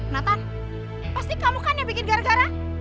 nathan pasti kamu kan yang bikin gara gara